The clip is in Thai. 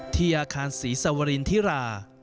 ที่อาคารศรีสวรินทิรา